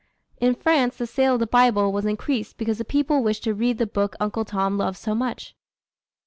In France the sale of the Bible was increased because the people wished to read the book Uncle Tom loved so much.